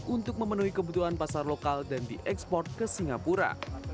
untuk memenuhi kebutuhan pasar lokal dan diekspor ke singapura